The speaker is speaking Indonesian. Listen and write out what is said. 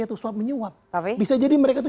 itu swap menyuap bisa jadi mereka tuh